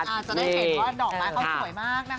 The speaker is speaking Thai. อาจจะได้เห็นว่าดอกไม้เขาสวยมากนะคะ